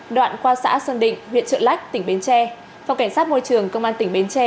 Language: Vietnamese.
đoạn qua xã sơn định huyện trợ lách tỉnh bến tre phòng cảnh sát môi trường công an tỉnh bến tre